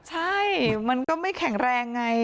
ใช่มันก็ไม่แข็งแรงไง